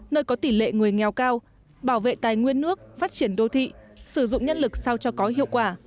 nơi có tỷ lệ người nghèo cao bảo vệ tài nguyên nước phát triển đô thị sử dụng nhân lực sao cho có hiệu quả